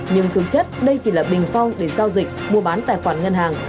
nhưng phương chất đây chỉ là bình phong để giao dịch mua bán tài khoản ngân hàng